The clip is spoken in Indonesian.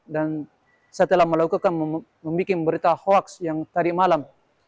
dan saya telah melakukan membuat berita hoaks yang tadi malam